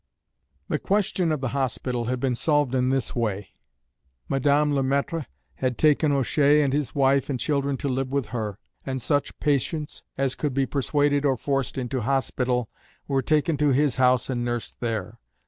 The question of the hospital had been solved in this way. Madame Le Maître had taken O'Shea and his wife and children to live with her, and such patients as could be persuaded or forced into hospital were taken to his house and nursed there.